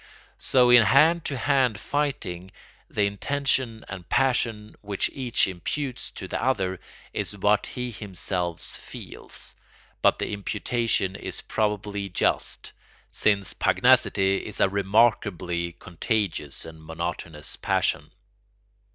So in hand to hand fighting: the intention and passion which each imputes to the other is what he himself feels; but the imputation is probably just, since pugnacity is a remarkably contagious and monotonous passion.